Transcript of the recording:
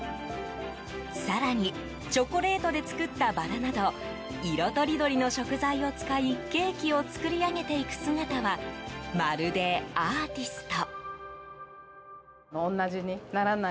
更にチョコレートで作ったバラなど色とりどりの食材を使いケーキを作り上げていく姿はまるでアーティスト。